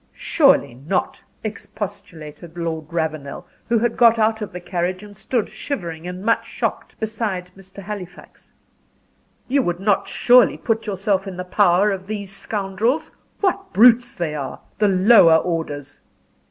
"Surely not," expostulated Lord Ravenel, who had got out of the carriage and stood, shivering and much shocked, beside Mr. Halifax. "You would not surely put yourself in the power of these scoundrels? What brutes they are the lower orders!"